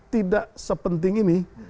tidak sepenting ini